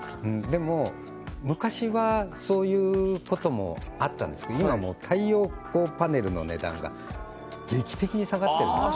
でも昔はそういうこともあったんですけど今もう太陽光パネルの値段が劇的に下がってますんで